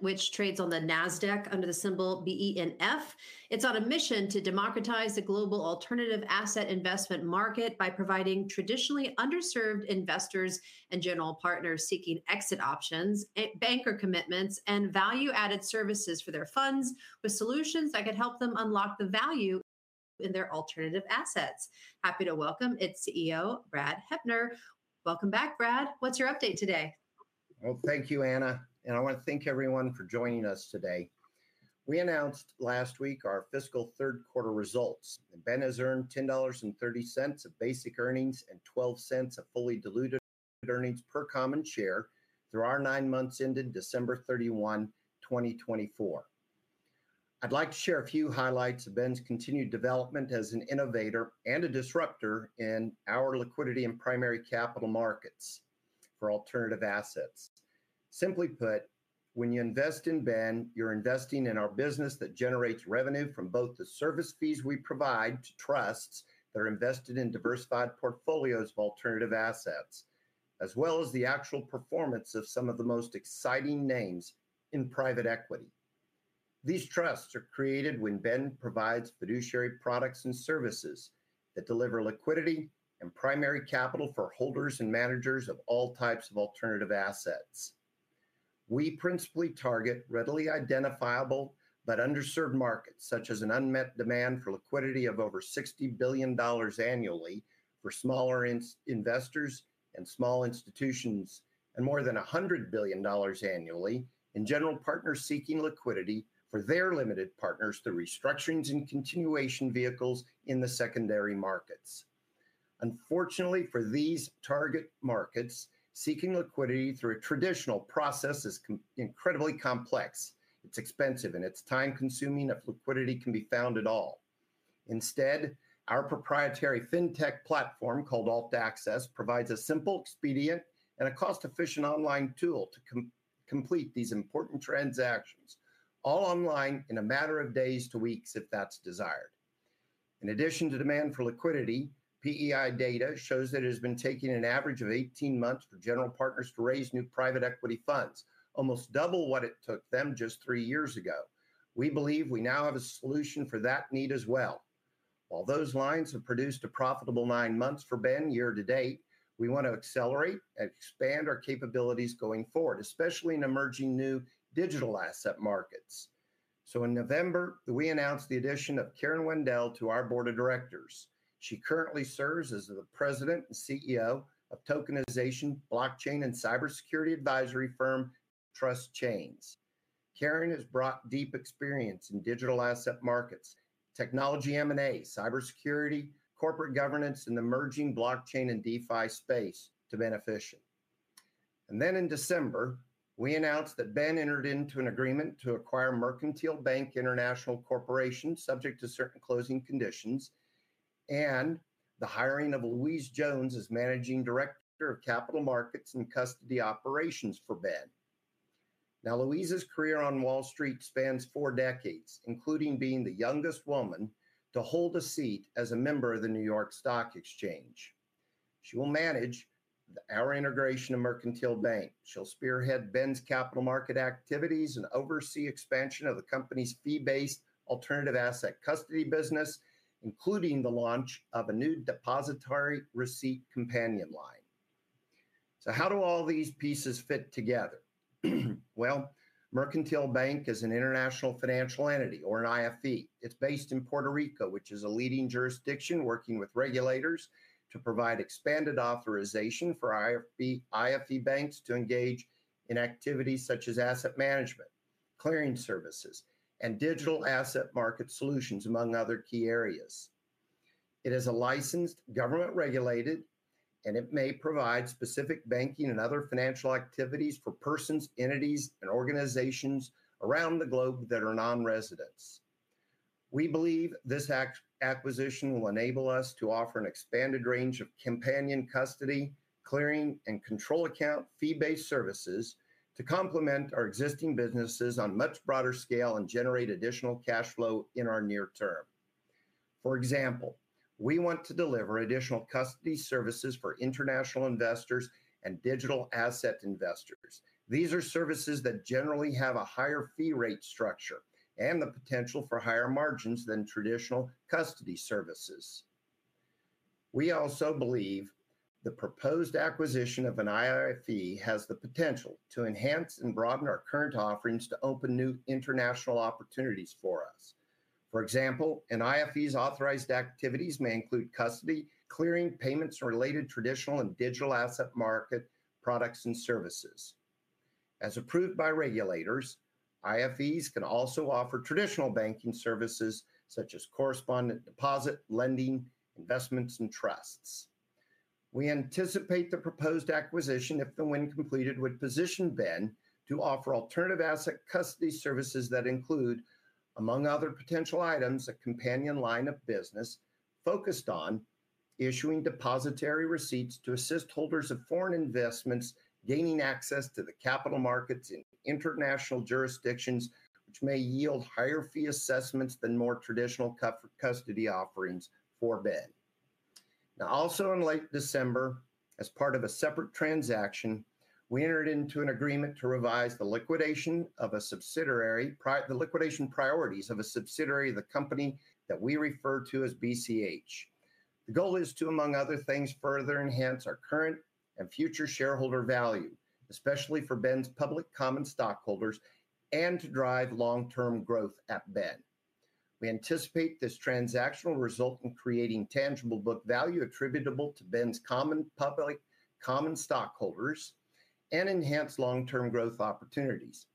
Which trades on the Nasdaq under the symbol BENF. It's on a mission to democratize the global alternative asset investment market by providing traditionally underserved investors and general partners seeking exit options, anchor commitments, and value-added services for their funds with solutions that could help them unlock the value in their alternative assets. Happy to welcome its CEO, Brad Heppner. Welcome back, Brad. What's your update today? Thank you, Anna, and I want to thank everyone for joining us today. We announced last week our fiscal third quarter results. Beneficient has earned $10.30 of basic earnings and $0.12 of fully diluted earnings per common share through our nine months ended December 31, 2024. I'd like to share a few highlights of Beneficient's continued development as an innovator and a disruptor in our liquidity and primary capital markets for alternative assets. Simply put, when you invest in Beneficient, you're investing in our business that generates revenue from both the service fees we provide to trusts that are invested in diversified portfolios of alternative assets, as well as the actual performance of some of the most exciting names in private equity. These trusts are created when Beneficient provides fiduciary products and services that deliver liquidity and primary capital for holders and managers of all types of alternative assets. We principally target readily identifiable but underserved markets, such as an unmet demand for liquidity of over $60 billion annually for smaller investors and small institutions, and more than $100 billion annually in general partners seeking liquidity for their limited partners through restructurings and continuation vehicles in the secondary markets. Unfortunately, for these target markets, seeking liquidity through a traditional process is incredibly complex. It's expensive and it's time-consuming if liquidity can be found at all. Instead, our proprietary fintech platform called AltAccess provides a simple, expedient, and a cost-efficient online tool to complete these important transactions, all online in a matter of days to weeks if that's desired. In addition to demand for liquidity, PEI data shows that it has been taking an average of 18 months for general partners to raise new private equity funds, almost double what it took them just three years ago. We believe we now have a solution for that need as well. While those lines have produced a profitable nine months for Ben year to date, we want to accelerate and expand our capabilities going forward, especially in emerging new digital asset markets. In November, we announced the addition of Karen Wendel to our board of directors. She currently serves as the President and CEO of tokenization, blockchain, and cybersecurity advisory firm TrustChains. Karen has brought deep experience in digital asset markets, technology M&A, cybersecurity, corporate governance, and the emerging blockchain and DeFi space to Beneficient. In December, we announced that Ben entered into an agreement to acquire Mercantile Bank International Corporation, subject to certain closing conditions, and the hiring of Louise Jones as Managing Director of capital markets and custody operations for Ben. Now, Louise's career on Wall Street spans four decades, including being the youngest woman to hold a seat as a member of the New York Stock Exchange. She will manage our integration of Mercantile Bank International Corporation. She'll spearhead Ben's capital market activities and oversee expansion of the company's fee-based alternative asset custody business, including the launch of a new depository receipt companion line. How do all these pieces fit together? Mercantile Bank International Corporation is an international financial entity, or an IFE. It's based in Puerto Rico, which is a leading jurisdiction, working with regulators to provide expanded authorization for IFE banks to engage in activities such as asset management, clearing services, and digital asset market solutions, among other key areas. It is licensed, government-regulated, and it may provide specific banking and other financial activities for persons, entities, and organizations around the globe that are non-residents. We believe this acquisition will enable us to offer an expanded range of companion custody, clearing, and control account fee-based services to complement our existing businesses on a much broader scale and generate additional cash flow in our near term. For example, we want to deliver additional custody services for international investors and digital asset investors. These are services that generally have a higher fee rate structure and the potential for higher margins than traditional custody services. We also believe the proposed acquisition of an IFE has the potential to enhance and broaden our current offerings to open new international opportunities for us. For example, an IFE's authorized activities may include custody, clearing, payments related to traditional and digital asset market products and services. As approved by regulators, IFEs can also offer traditional banking services such as correspondent deposit, lending, investments, and trusts. We anticipate the proposed acquisition, if and when completed, would position Ben to offer alternative asset custody services that include, among other potential items, a companion line of business focused on issuing depository receipts to assist holders of foreign investments gaining access to the capital markets in international jurisdictions, which may yield higher fee assessments than more traditional custody offerings for Ben. Also in late December, as part of a separate transaction, we entered into an agreement to revise the liquidation priorities of a subsidiary of the company that we refer to as BCH. The goal is to, among other things, further enhance our current and future shareholder value, especially for Ben's public common stockholders, and to drive long-term growth at Ben. We anticipate this transaction will result in creating tangible book value attributable to Ben's public common stockholders and enhance long-term growth opportunities.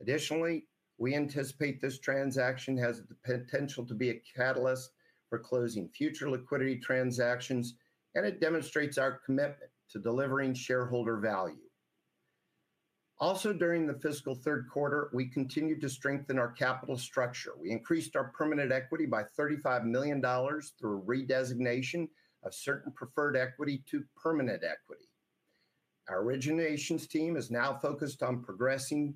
Additionally, we anticipate this transaction has the potential to be a catalyst for closing future liquidity transactions, and it demonstrates our commitment to delivering shareholder value. Also, during the fiscal third quarter, we continued to strengthen our capital structure. We increased our permanent equity by $35 million through a redesignation of certain preferred equity to permanent equity. Our originations team is now focused on progressing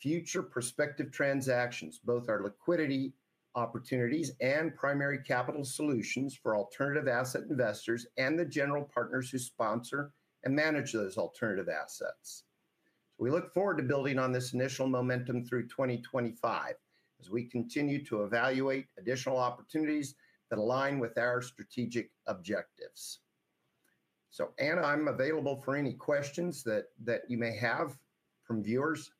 future prospective transactions, both our liquidity opportunities and primary capital solutions for alternative asset investors and the general partners who sponsor and manage those alternative assets. We look forward to building on this initial momentum through 2025 as we continue to evaluate additional opportunities that align with our strategic objectives. Anna, I'm available for any questions that you may have from viewers.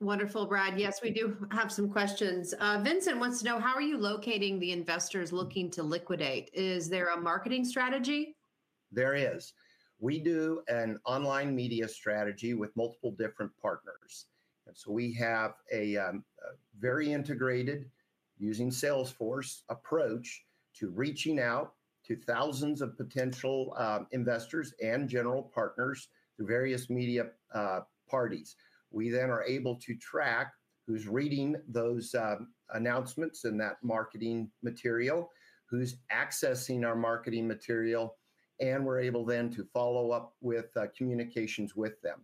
Wonderful, Brad. Yes, we do have some questions. Vincent wants to know, how are you locating the investors looking to liquidate? Is there a marketing strategy? There is. We do an online media strategy with multiple different partners. We have a very integrated, using Salesforce approach to reaching out to thousands of potential investors and general partners through various media parties. We then are able to track who's reading those announcements in that marketing material, who's accessing our marketing material, and we're able then to follow up with communications with them.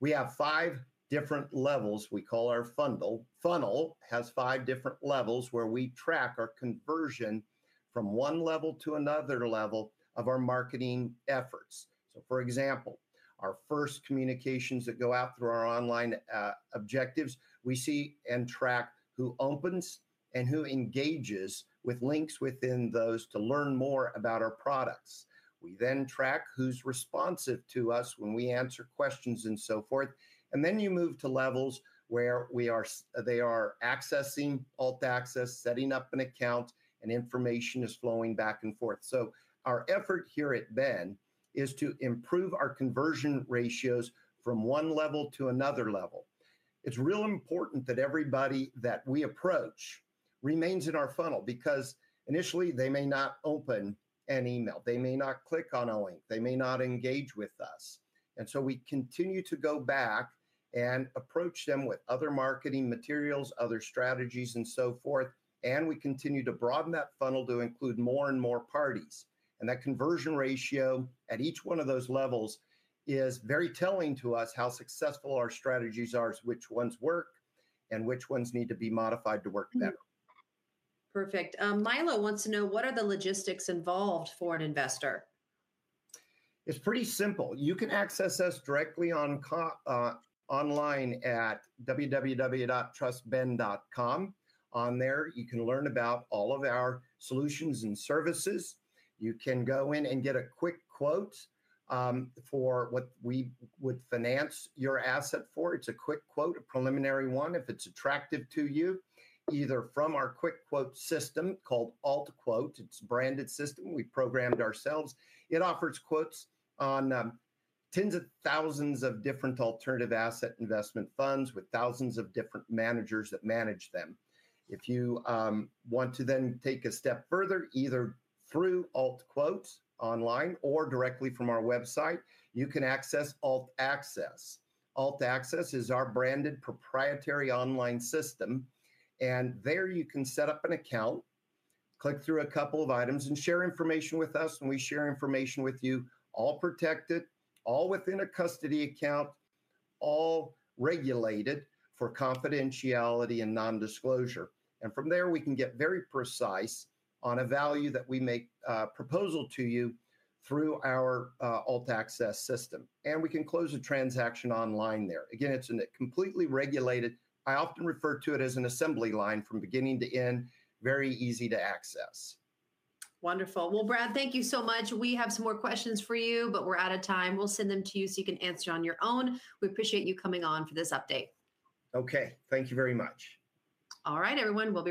We have five different levels we call our funnel. Funnel has five different levels where we track our conversion from one level to another level of our marketing efforts. For example, our first communications that go out through our online objectives, we see and track who opens and who engages with links within those to learn more about our products. We then track who's responsive to us when we answer questions and so forth. Then you move to levels where they are accessing AltAccess, setting up an account, and information is flowing back and forth. Our effort here at Ben is to improve our conversion ratios from one level to another level. It is real important that everybody that we approach remains in our funnel because initially they may not open an email, they may not click on a link, they may not engage with us. We continue to go back and approach them with other marketing materials, other strategies, and so forth, and we continue to broaden that funnel to include more and more parties. That conversion ratio at each one of those levels is very telling to us how successful our strategies are, which ones work and which ones need to be modified to work better. Perfect. Milo wants to know, what are the logistics involved for an investor? It's pretty simple. You can access us directly online at www.trustben.com. On there, you can learn about all of our solutions and services. You can go in and get a quick quote for what we would finance your asset for. It's a quick quote, a preliminary one, if it's attractive to you, either from our quick quote system called AltQuote. It's a branded system we programmed ourselves. It offers quotes on tens of thousands of different alternative asset investment funds with thousands of different managers that manage them. If you want to then take a step further, either through AltQuote online or directly from our website, you can access AltAccess. AltAccess is our branded proprietary online system. You can set up an account, click through a couple of items, and share information with us, and we share information with you, all protected, all within a custody account, all regulated for confidentiality and non-disclosure. From there, we can get very precise on a value that we make a proposal to you through our AltAccess system. We can close a transaction online there. Again, it's a completely regulated, I often refer to it as an assembly line from beginning to end, very easy to access. Wonderful. Brad, thank you so much. We have some more questions for you, but we're out of time. We'll send them to you so you can answer on your own. We appreciate you coming on for this update. Okay. Thank you very much. All right, everyone. We'll be.